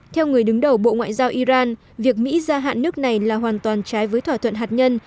theo người đứng đầu bộ ngoại giao iran việc mỹ gia hạn nước này là hoàn toàn trái với thỏa thuận hạt nhân